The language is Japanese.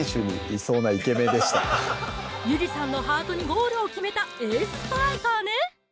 ゆりさんのハートにゴールを決めたエースストライカーね！